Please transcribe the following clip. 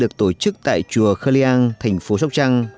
được tổ chức tại chùa khơ liang thành phố sóc trăng